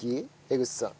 江口さん。